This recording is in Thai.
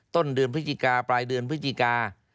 ต้นเดือนพฤศจิกาปลายเดือนพฤศจิกา